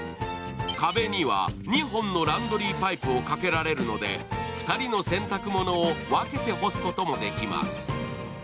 壁には２本のランドリーパイプをかけられるので２人の洗濯物を分けて干すこともできます。